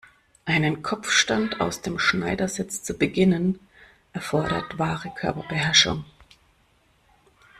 Einen Kopfstand aus dem Schneidersitz zu beginnen, erfordert wahre Körperbeherrschung.